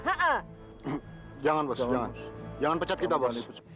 jangan bos jangan jangan pecat kita bos